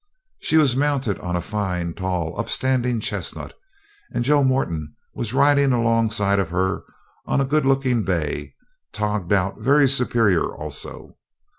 She was mounted on a fine, tall, upstanding chestnut, and Joe Moreton was riding alongside of her on a good looking bay, togged out very superior also.